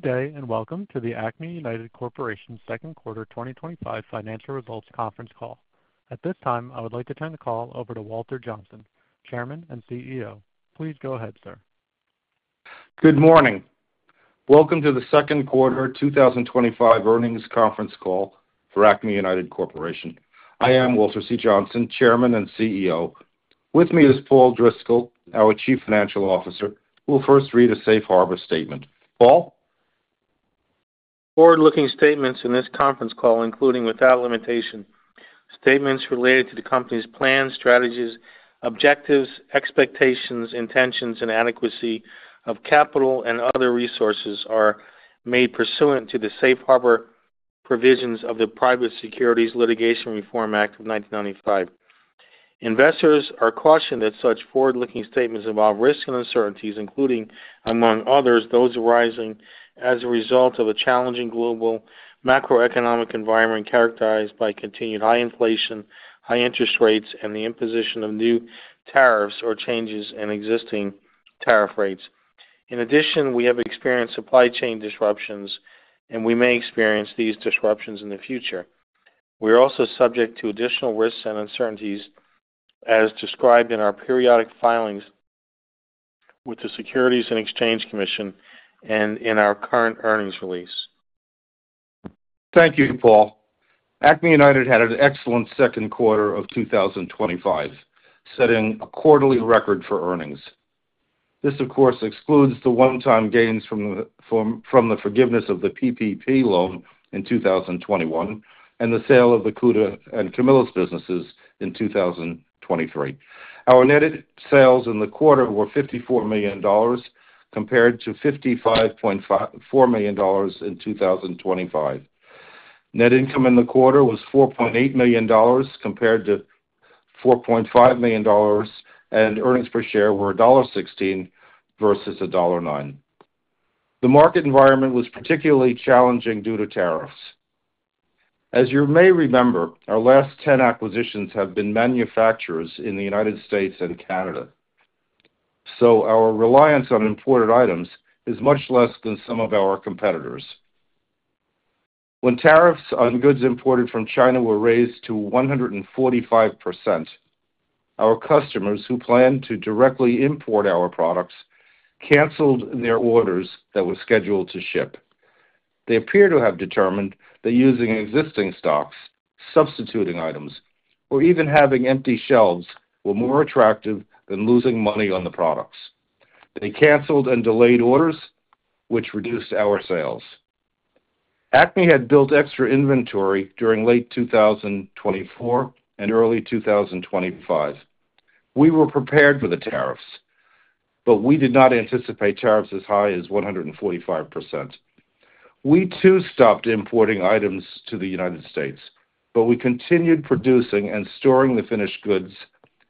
Good day, and welcome to the Acme United Corporation's second quarter 2025 financial results conference call. At this time, I would like to turn the call over to Walter Johnsen, Chairman and CEO. Please go ahead, sir. Good morning. Welcome to the second quarter 2025 earnings conference call for Acme United Corporation. I am Walter C. Johnsen, Chairman and CEO. With me is Paul Driscoll, our Chief Financial Officer, who will first read a safe harbor statement. Paul? Forward-looking statements in this conference call, including without limitation, statements related to the company's plan, strategies, objectives, expectations, intentions, and adequacy of capital and other resources are made pursuant to the safe harbor provisions of the Private Securities Litigation Reform Act of 1995. Investors are cautioned that such forward-looking statements involve risks and uncertainties, including, among others, those arising as a result of a challenging global macroeconomic environment characterized by continued high inflation, high interest rates, and the imposition of new tariffs or changes in existing tariff rates. In addition, we have experienced supply chain disruptions, and we may experience these disruptions in the future. We are also subject to additional risks and uncertainties as described in our periodic filings with the Securities and Exchange Commission and in our current earnings release. Thank you, Paul. Acme United had an excellent second quarter of 2025, setting a quarterly record for earnings. This, of course, excludes the one-time gains from the forgiveness of the PPP loan in 2021 and the sale of the Cuda and Camillus businesses in 2023. Our net sales in the quarter were $54 million, compared to $55.4 million in 2025. Net income in the quarter was $4.8 million, compared to $4.5 million, and earnings per share were $1.16 versus $1.09. The market environment was particularly challenging due to tariffs. As you may remember, our last 10 acquisitions have been manufacturers in the United States and Canada, so our reliance on imported items is much less than some of our competitors. When tariffs on goods imported from China were raised to 145%, our customers who planned to directly import our products canceled their orders that were scheduled to ship. They appear to have determined that using existing stocks, substituting items, or even having empty shelves were more attractive than losing money on the products. They canceled and delayed orders, which reduced our sales. Acme had built extra inventory during late 2024 and early 2025. We were prepared for the tariffs, but we did not anticipate tariffs as high as 145%. We too stopped importing items to the United States, but we continued producing and storing the finished goods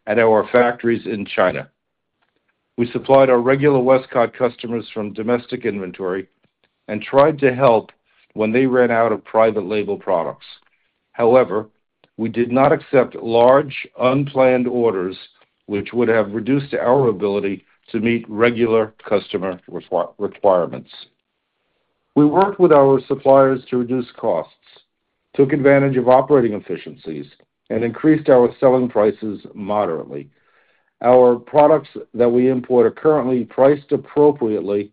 at our factories in China. We supplied our regular Westcott customers from domestic inventory and tried to help when they ran out of private label products. However, we did not accept large, unplanned orders, which would have reduced our ability to meet regular customer requirements. We worked with our suppliers to reduce costs, took advantage of operating efficiencies, and increased our selling prices moderately. Our products that we import are currently priced appropriately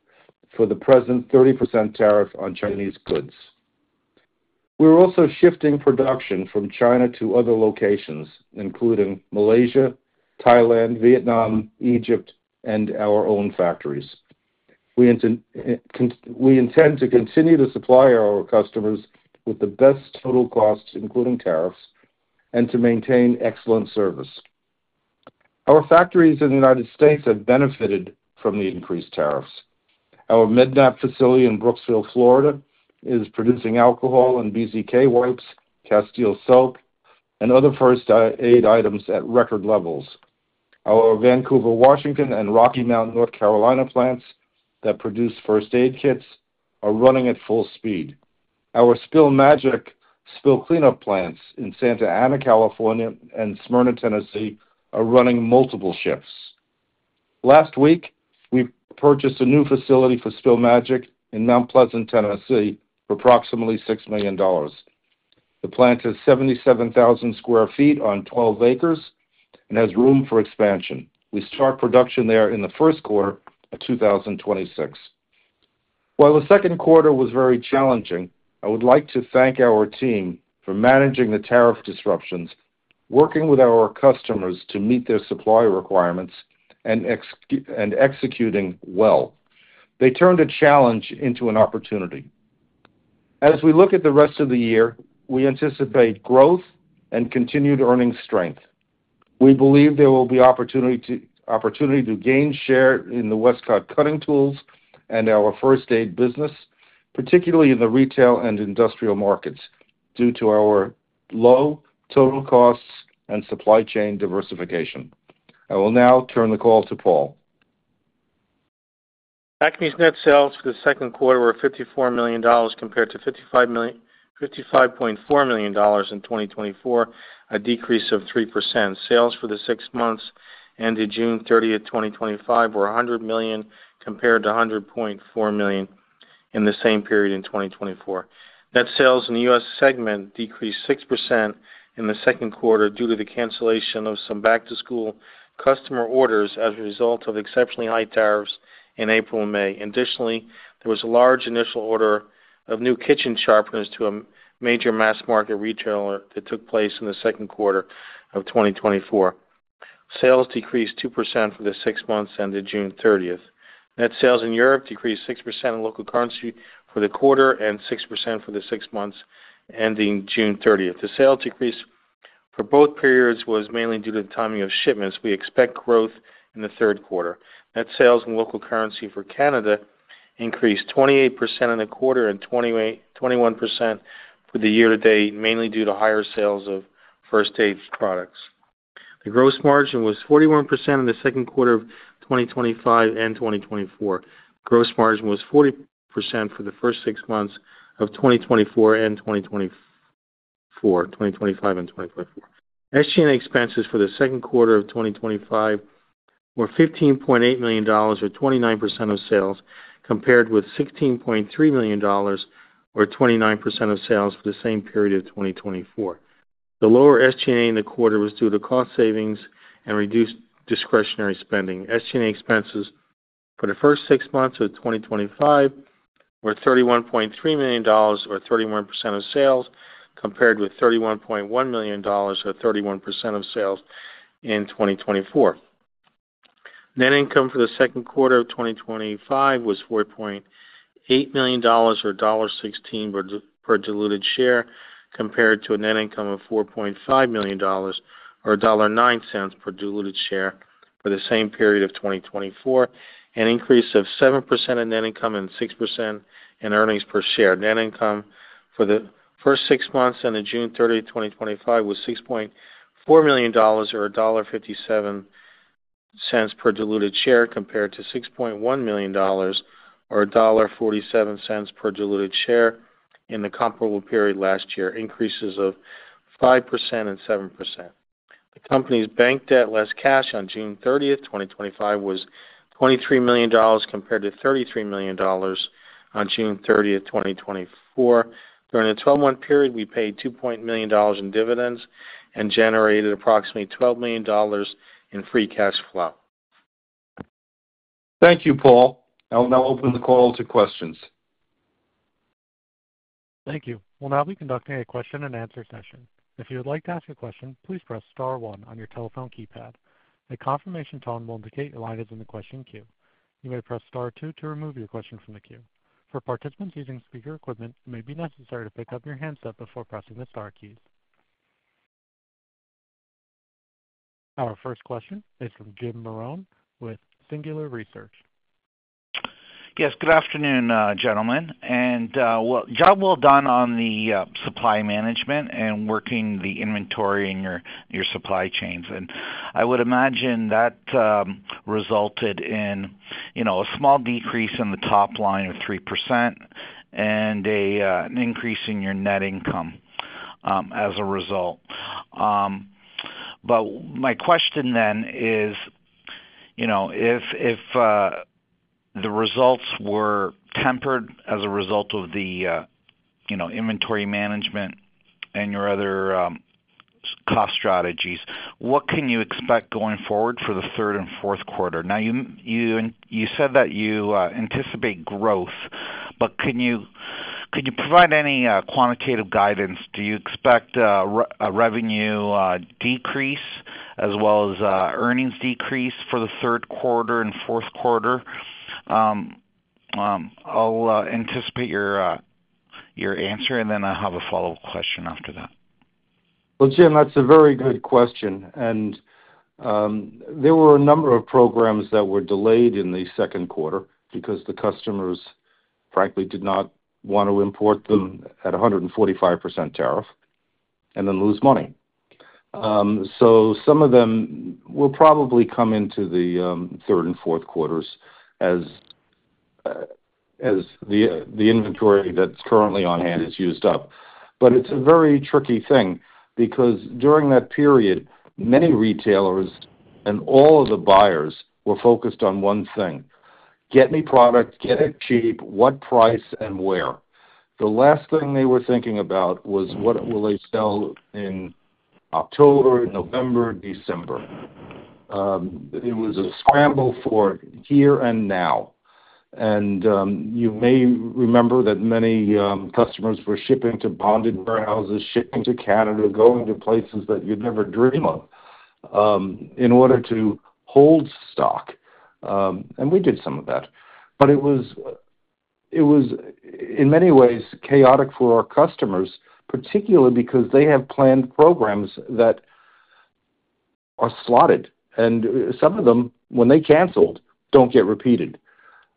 for the present 30% tariff on Chinese goods. We're also shifting production from China to other locations, including Malaysia, Thailand, Vietnam, Egypt, and our own factories. We intend to continue to supply our customers with the best total costs, including tariffs, and to maintain excellent service. Our factories in the United States have benefited from the increased tariffs. Our Med-Nap facility in Brooksville, Florida, is producing alcohol and BZK wipes, castile soap, and other first aid items at record levels. Our Vancouver, Washington, and Rocky Mount, North Carolina plants that produce first aid kits are running at full speed. Our Spill Magic spill cleanup plants in Santa Ana, California, and Smyrna, Tennessee, are running multiple shifts. Last week, we purchased a new facility for Spill Magic in Mount Pleasant, Tennessee, for approximately $6 million. The plant is 77,000 sq ft on 12 acres and has room for expansion. We start production there in the first quarter of 2026. While the second quarter was very challenging, I would like to thank our team for managing the tariff disruptions, working with our customers to meet their supply requirements, and executing well. They turned a challenge into an opportunity. As we look at the rest of the year, we anticipate growth and continued earnings strength. We believe there will be opportunity to gain share in the Westcott cutting tools and our first aid business, particularly in the retail and industrial markets, due to our low total costs and supply chain diversification. I will now turn the call to Paul. Corporation's net sales for the second quarter were $54 million, compared to $55.4 million in 2024, a decrease of 3%. Sales for the six months ended June 30th, 2025, were $100 million, compared to $100.4 million in the same period in 2024. Net sales in the U.S. segment decreased 6% in the second quarter due to the cancellation of some back-to-school customer orders as a result of exceptionally high tariffs in April and May. Additionally, there was a large initial order of new kitchen sharpeners to a major mass market retailer that took place in the second quarter of 2024. Sales decreased 2% for the six months ended June 30th. Net sales in Europe decreased 6% in local currency for the quarter and 6% for the six months ending June 30th. The sales decrease for both periods was mainly due to the timing of shipments. We expect growth in the third quarter. Net sales in local currency for Canada increased 28% in the quarter and 21% for the year-to-date, mainly due to higher sales of First Aid products. The gross margin was 41% in the second quarter of 2025 and 2024. Gross margin was 40% for the first six months of 2024 and 2025. SG&A expenses for the second quarter of 2025 were $15.8 million, or 29% of sales, compared with $16.3 million, or 29% of sales for the same period of 2024. The lower SG&A in the quarter was due to cost savings and reduced discretionary spending. SG&A expenses for the first six months of 2025 were $31.3 million, or 31% of sales, compared with $31.1 million, or 31% of sales in 2024. Net income for the second quarter of 2025 was $4.8 million, or $1.16 per diluted share, compared to a net income of $4.5 million, or $1.09 per diluted share for the same period of 2024, an increase of 7% in net income and 6% in earnings per share. Net income for the first six months ended June 30th, 2025, was $6.4 million, or $1.57 per diluted share, compared to $6.1 million, or $1.47 per diluted share in the comparable period last year, increases of 5% and 7%. The company's bank debt, less cash, on June 30th, 2025, was $23 million, compared to $33 million on June 30th, 2024. During a 12-month period, we paid $2.8 million in dividends and generated approximately $12 million in free cash flow. Thank you, Paul. I will now open the call to questions. Thank you. We'll now be conducting a question and answer session. If you would like to ask a question, please press star one on your telephone keypad. A confirmation tone will indicate your line is in the question queue. You may press star two to remove your question from the queue. For participants using speaker equipment, it may be necessary to pick up your handset before pressing the star keys. Our first question is from Jim Marrone with Singular Research. Good afternoon, gentlemen. Job well done on the supply management and working the inventory in your supply chains. I would imagine that resulted in a small decrease in the top line of 3% and an increase in your net income as a result. My question then is, if the results were tempered as a result of the inventory management and your other cost strategies, what can you expect going forward for the third and fourth quarter? You said that you anticipate growth, but can you provide any quantitative guidance? Do you expect a revenue decrease as well as earnings decrease for the third quarter and fourth quarter? I'll anticipate your answer, and then I'll have a follow-up question after that. Jim, that's a very good question. There were a number of programs that were delayed in the second quarter because the customers, frankly, did not want to import them at 145% tariff and then lose money. Some of them will probably come into the third and fourth quarters as the inventory that's currently on hand is used up. It is a very tricky thing because during that period, many retailers and all of the buyers were focused on one thing: get me product, get it cheap, what price, and where. The last thing they were thinking about was what will they sell in October, November, December. It was a scramble for here and now. You may remember that many customers were shipping to bonded warehouses, shipping to Canada, going to places that you'd never dream of, in order to hold stock. We did some of that. It was in many ways chaotic for our customers, particularly because they have planned programs that are slotted. Some of them, when they canceled, don't get repeated.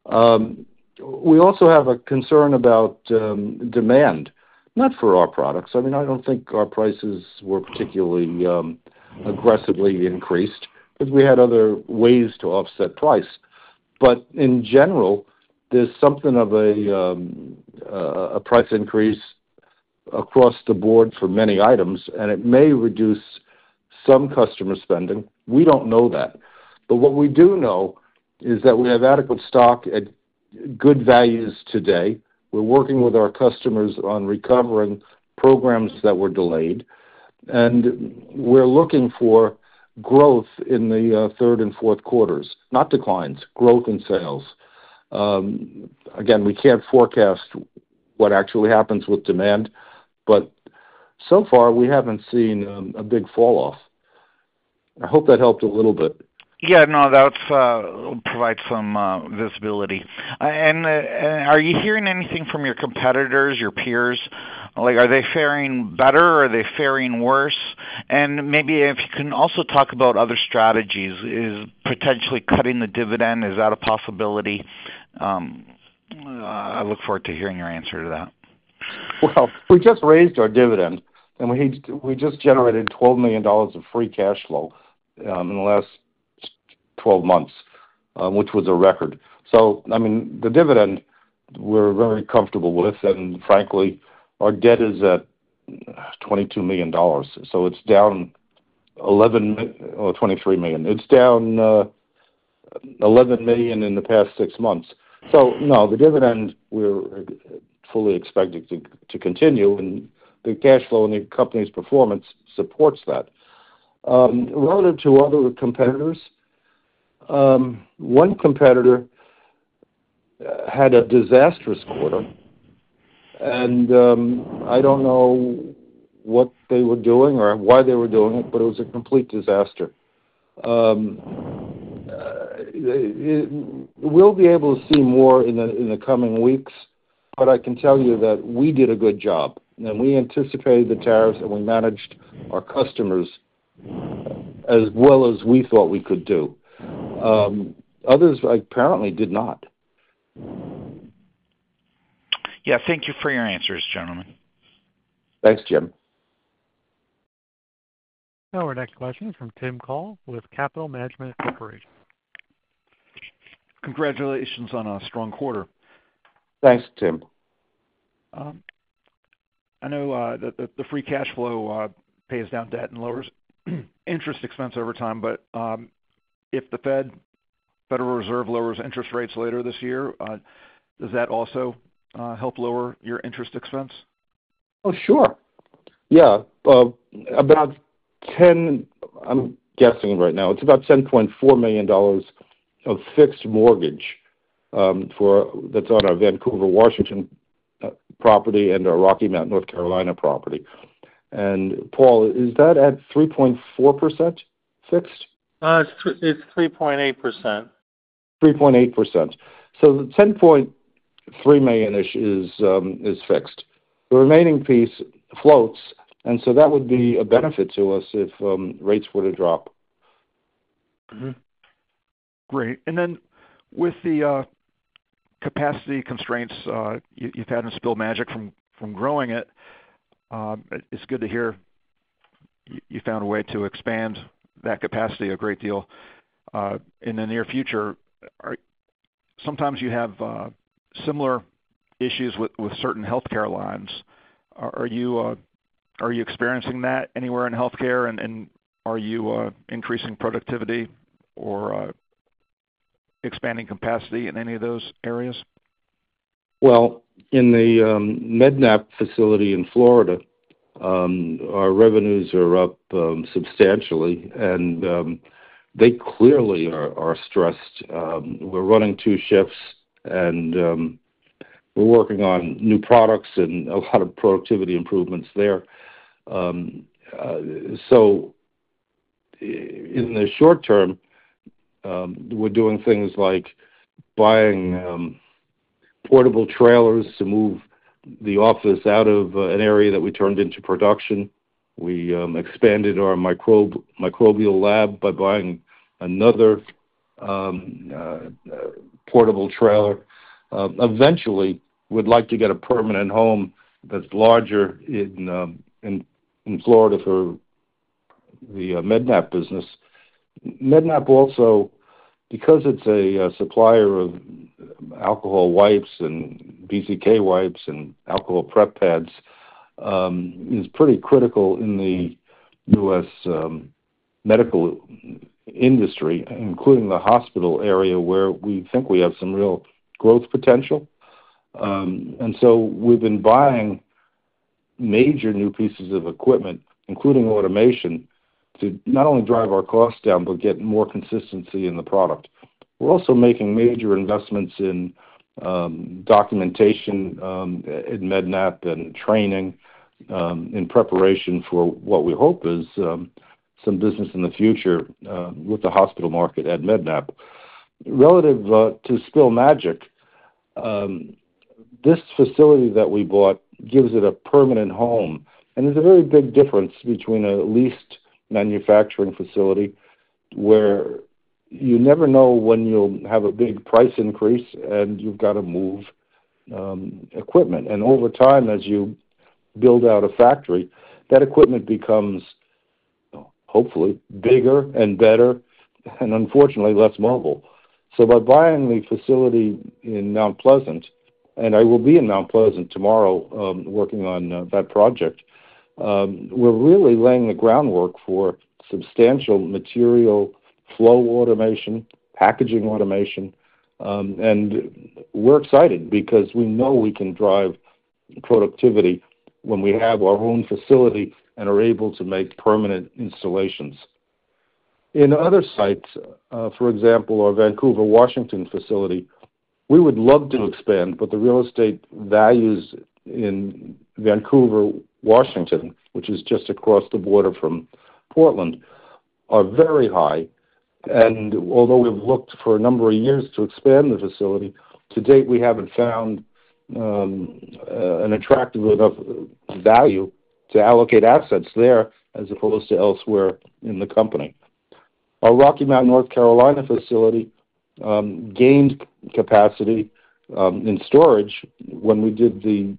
We also have a concern about demand, not for our products. I don't think our prices were particularly aggressively increased because we had other ways to offset price. In general, there's something of a price increase across the board for many items, and it may reduce some customer spending. We don't know that. What we do know is that we have adequate stock at good values today. We're working with our customers on recovering programs that were delayed. We're looking for growth in the third and fourth quarters, not declines, growth in sales. Again, we can't forecast what actually happens with demand, but so far, we haven't seen a big falloff. I hope that helped a little bit. Yeah, no, that'll provide some visibility. Are you hearing anything from your competitors, your peers? Are they faring better or are they faring worse? Maybe if you can also talk about other strategies, is potentially cutting the dividend a possibility? I look forward to hearing your answer to that. We just raised our dividend, and we just generated $12 million of free cash flow in the last 12 months, which was a record. The dividend we're very comfortable with, and frankly, our debt is at $22 million. It's down $11 million from $33 million. It's down $11 million in the past six months. The dividend we're fully expected to continue, and the cash flow and the company's performance supports that. Relative to other competitors, one competitor had a disastrous quarter, and I don't know what they were doing or why they were doing it, but it was a complete disaster. We'll be able to see more in the coming weeks, but I can tell you that we did a good job, and we anticipated the tariffs, and we managed our customers as well as we thought we could do. Others apparently did not. Yeah, thank you for your answers, gentlemen. Thanks, Jim. Our next question is from Tim Call with Capital Management Corporation. Congratulations on a strong quarter. Thanks, Tim. I know that the free cash flow pays down debt and lowers interest expense over time, but if the Federal Reserve lowers interest rates later this year, does that also help lower your interest expense? Oh, sure. Yeah. About $10.4 million of fixed mortgage, that's on our Vancouver, Washington property and our Rocky Mount, North Carolina property. Paul, is that at 3.4% fixed? It's 3.8%. 3.8%. $10.3 million is fixed. The remaining piece floats, and that would be a benefit to us if rates were to drop. Great. With the capacity constraints you've had in Spill Magic from growing it, it's good to hear you found a way to expand that capacity a great deal in the near future. Sometimes you have similar issues with certain healthcare lines. Are you experiencing that anywhere in healthcare? Are you increasing productivity or expanding capacity in any of those areas? In the Med-Nap facility in Florida, our revenues are up substantially, and they clearly are stressed. We're running two shifts, and we're working on new products and a lot of productivity improvements there. In the short term, we're doing things like buying portable trailers to move the office out of an area that we turned into production. We expanded our microbial lab by buying another portable trailer. Eventually, we'd like to get a permanent home that's larger in Florida for the Med-Nap business. Med-Nap also, because it's a supplier of alcohol wipes and BZK wipes and alcohol prep pads, is pretty critical in the U.S. medical industry, including the hospital area where we think we have some real growth potential. We have been buying major new pieces of equipment, including automation, to not only drive our costs down but get more consistency in the product. We're also making major investments in documentation in Med-Nap and training in preparation for what we hope is some business in the future with the hospital market at Med-Nap. Relative to Spill Magic, this facility that we bought gives it a permanent home, and there's a very big difference between a leased manufacturing facility where you never know when you'll have a big price increase and you've got to move equipment. Over time, as you build out a factory, that equipment becomes, hopefully, bigger and better and, unfortunately, less mobile. By buying the facility in Mount Pleasant, and I will be in Mount Pleasant tomorrow working on that project, we're really laying the groundwork for substantial material flow automation, packaging automation, and we're excited because we know we can drive productivity when we have our own facility and are able to make permanent installations. In other sites, for example, our Vancouver, Washington facility, we would love to expand, but the real estate values in Vancouver, Washington, which is just across the border from Portland, are very high. Although we've looked for a number of years to expand the facility, to date, we haven't found an attractive enough value to allocate assets there as opposed to elsewhere in the company. Our Rocky Mount, North Carolina facility gained capacity in storage when we did the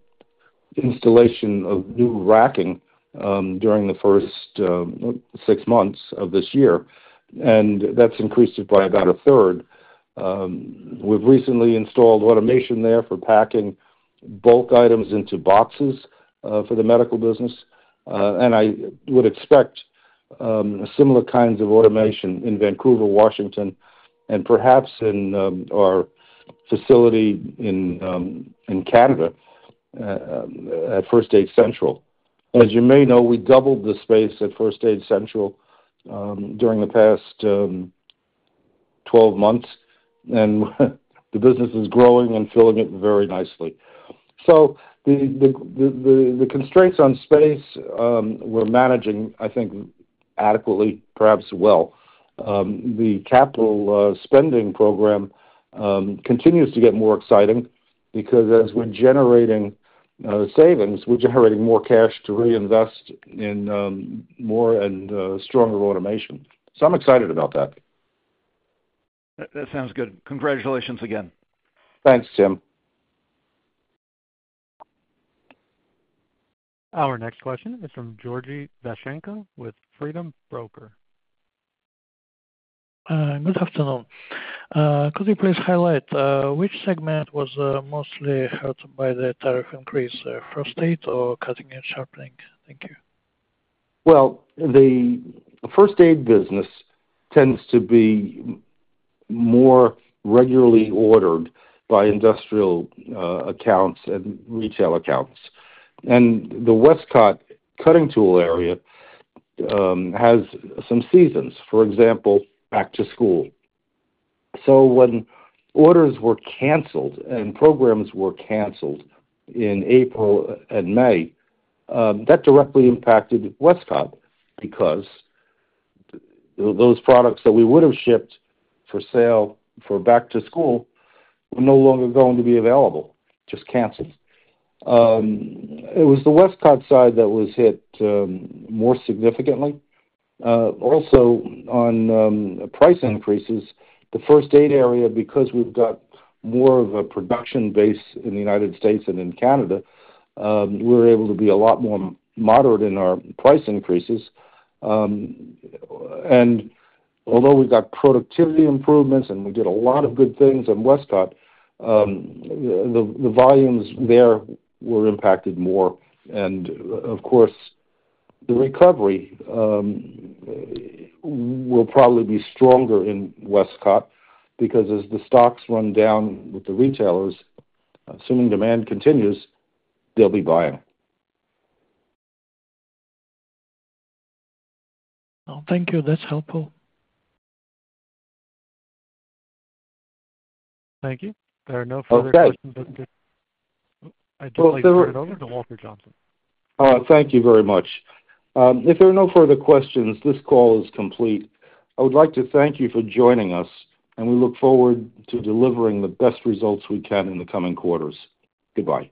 installation of new racking during the first six months of this year, and that's increased it by about a third. We've recently installed automation there for packing bulk items into boxes for the medical business. I would expect similar kinds of automation in Vancouver, Washington, and perhaps in our facility in Canada at First Aid Central. As you may know, we doubled the space at First Aid Central during the past 12 months, and the business is growing and filling it very nicely. The constraints on space, we're managing, I think, adequately, perhaps well. The capital spending program continues to get more exciting because as we're generating savings, we're generating more cash to reinvest in more and stronger automation. I'm excited about that. That sounds good. Congratulations again. Thanks, Tim. Our next question is from Georgy Vashchenko with Freedom Broker. I'm going to have to know. Could you please highlight which segment was mostly hurt by the tariff increase, first aid or cutting and sharpening? Thank you. The first aid business tends to be more regularly ordered by industrial accounts and retail accounts. The Westcott cutting tool area has some seasons, for example, back-to-school. When orders were canceled and programs were canceled in April and May, that directly impacted Westcott because those products that we would have shipped for sale for back-to-school were no longer going to be available, just canceled. It was the Westcott side that was hit more significantly. Also, on price increases, the first aid area, because we've got more of a production base in the United States and in Canada, we're able to be a lot more moderate in our price increases. Although we got productivity improvements and we did a lot of good things in Westcott, the volumes there were impacted more. Of course, the recovery will probably be stronger in Westcott because as the stocks run down with the retailers, assuming demand continues, they'll be buying. Oh, thank you. That's helpful. Thank you. There are no further questions. Okay. I'd just like to turn it over to Walter Johnsen. All right. Thank you very much. If there are no further questions, this call is complete. I would like to thank you for joining us, and we look forward to delivering the best results we can in the coming quarters. Goodbye.